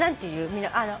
みんな。